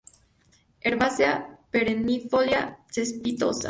Herbácea, perennifolia, cespitosa.